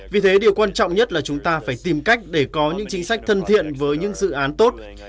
vì thế điều quan trọng nhất là chúng ta phải tìm cách để có những chính sách thân thiện với những dự án tốt